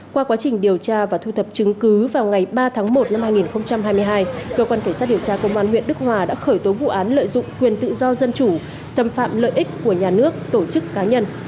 qua quá trình điều tra và thu thập chứng cứ vào ngày ba tháng một năm hai nghìn hai mươi hai cơ quan cảnh sát điều tra công an huyện đức hòa đã khởi tố vụ án lợi dụng quyền tự do dân chủ xâm phạm lợi ích của nhà nước tổ chức cá nhân